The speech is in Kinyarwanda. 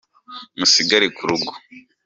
Musigare kurugo.